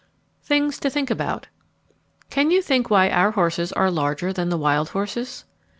THINGS TO THINK ABOUT Can you think why our horses are larger than the wild horses?